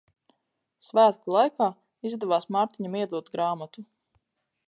Svētku laikā izdevās Mārtiņam iedot grāmatu.